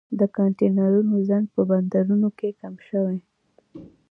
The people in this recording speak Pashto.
د کانټینرونو ځنډ په بندرونو کې کم شوی